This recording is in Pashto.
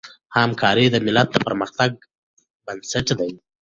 همکاري د ملت د پرمختګ بنسټ دی.